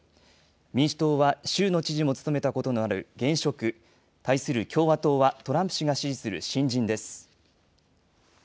民主党は州の知事も務めたことのある現職、対する共和党はトランプ氏が支持する新人です。